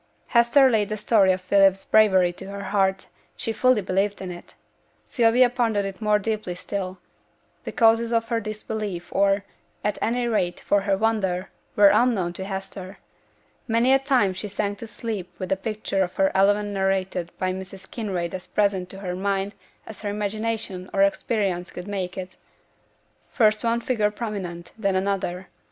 Hester laid the story of Philip's bravery to her heart she fully believed in it. Sylvia pondered it more deeply still; the causes for her disbelief, or, at any rate, for her wonder, were unknown to Hester! Many a time she sank to sleep with the picture of the event narrated by Mrs. Kinraid as present to her mind as her imagination or experience could make it: first one figure prominent, then another.